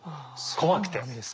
怖くて。